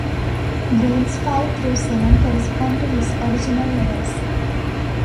Grades five through seven correspond to his original levels.